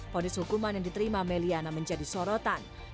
fonis hukuman yang diterima may liana menjadi sorotan